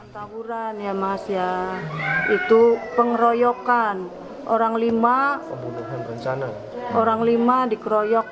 pembangunan ya mas ya itu pengeroyokan